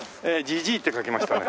「じじぃ」って書きましたね。